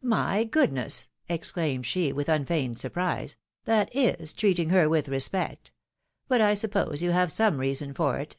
"My goodness!" exclaimed she, with unfeigned surprise, " that is treating her with respect ! But I suppose you have some reason for it.